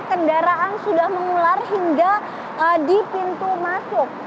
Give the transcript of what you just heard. kendaraan sudah mengular hingga di pintu masuk